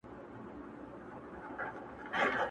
هغوی چي وران کړل کلي ښارونه -